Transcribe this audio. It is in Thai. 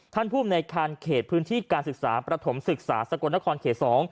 ท่านภูมิในการเคสพื้นที่การศึกษาประถมศึกษาสกรรณคล